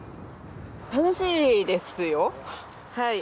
楽しいですよはい。